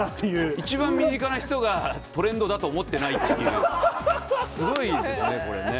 一番身近な人がトレンドだと思ってないっていう、すごいですね、これね。